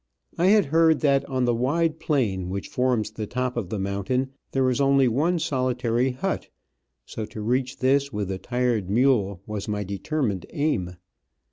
I had heard that on the wide plain which forms the top of the mountain there was only one solitary hut, so to reach this with a tired mule was my determined aim.